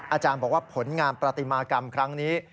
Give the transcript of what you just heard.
อาจารย์บอกว่าผลงานประติมากรรมครั้งนี้